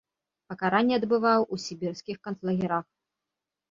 Пакаранне адбываў ў сібірскіх канцлагерах.